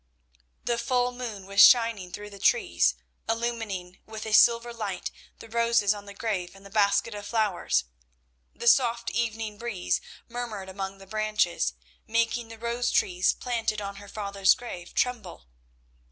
The full moon was shining through the trees, illumining with a silver light the roses on the grave and the basket of flowers. The soft evening breeze murmured among the branches, making the rose trees planted on her father's grave tremble.